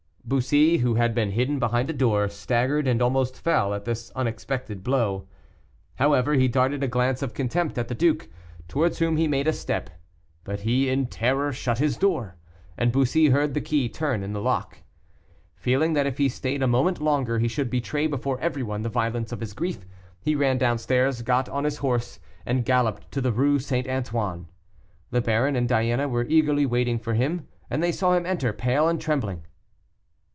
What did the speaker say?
Bussy, who had been hidden behind a door, staggered, and almost fell at this unexpected blow. However, he darted a glance of contempt at the duke, towards whom he made a step, but he, in terror, shut his door, and Bussy heard the key turn in the lock. Feeling that if he stayed a moment longer he should betray before everyone the violence of his grief, he ran downstairs, got on his horse, and galloped to the Rue St. Antoine. The baron and Diana were eagerly waiting for him, and they saw him enter pale and trembling.